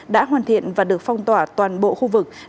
đã hoàn thiện và được phong tỏa toàn bộ khu vực